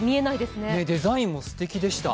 ねっデザインもすてきでした。